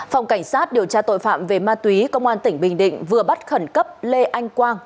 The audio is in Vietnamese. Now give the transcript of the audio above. phòng cảnh sát điều tra tội phạm về ma túy công an tỉnh bình định vừa bắt khẩn cấp lê anh quang